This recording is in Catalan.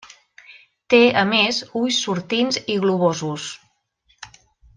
Té, a més, ulls sortints i globosos.